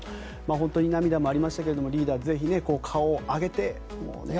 本当に涙もありましたけどリーダー、ぜひ顔を上げてね。